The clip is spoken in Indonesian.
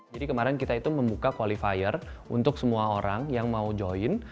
jadi kemarin kita itu membuka qualifier untuk semua orang yang mau join